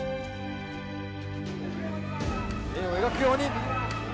円を描くように。